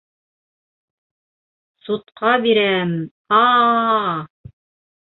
Судҡа бирәм, а-а-а...